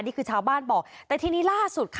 ขณะเดียวกันคุณอ้อยคนที่เป็นเมียฝรั่งคนนั้นแหละ